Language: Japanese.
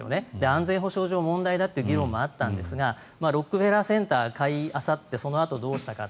安全保障上、問題だという議論もあったんですがロックフェラー・センターを買いあさってそのあとどうしたか。